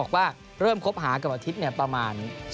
ว่าเริ่มคบหากับอาทิตย์เนี่ยประมาณ